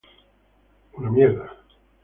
Crush It!